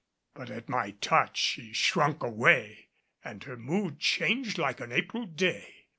But at my touch she shrunk away and her mood changed like an April day.